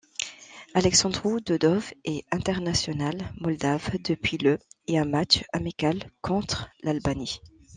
Alexandru Dedov est international moldave depuis le et un match amical contre l'Albanie.